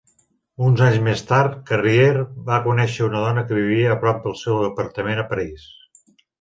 Uns anys més tard, Carrier va conèixer una dona que vivia a prop del seu apartament a París.